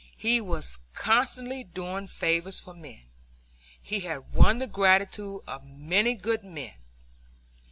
He was constantly doing favors for men. He had won the gratitude of many good men.